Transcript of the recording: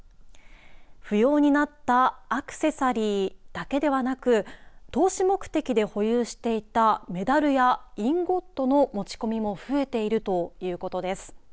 不要になったアクセサリーだけではなく投資目的で保有していたメダルやインゴットの持ち込みも増えているということです。